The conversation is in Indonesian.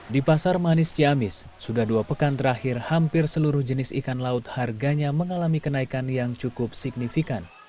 di pasar manis ciamis sudah dua pekan terakhir hampir seluruh jenis ikan laut harganya mengalami kenaikan yang cukup signifikan